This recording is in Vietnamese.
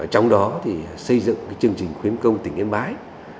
trong đó thì xây dựng chương trình khuyến công tỉnh yên bái